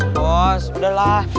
aduh bos udahlah